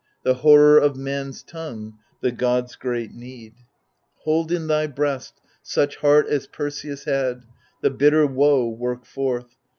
The horror of man's tongue, the gods' great need 1 Hold in thy breast such heart as Perseus had, The bitter woe work forth.